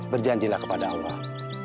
berjanjilah kepada allah